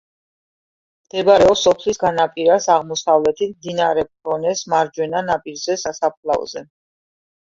მდებარეობს სოფლის განაპირას, აღმოსავლეთით, მდინარე ფრონეს მარჯვენა ნაპირზე, სასაფლაოზე.